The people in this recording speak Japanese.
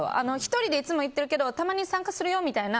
１人でいつも行ってるけどたまに参加するよみたいな。